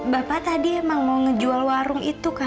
bapak tadi emang mau ngejual warung itu kan pak